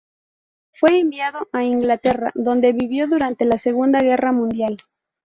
Fue enviado a Inglaterra, donde vivió durante la segunda guerra mundial.